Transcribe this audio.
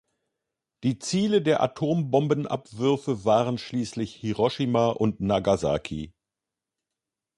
Die Ziele der Atombombenabwürfe waren schließlich "Hiroshima" und "Nagasaki".